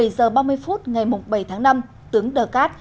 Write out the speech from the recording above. một mươi bảy giờ ba mươi phút ngày bảy tháng năm tướng đờ cát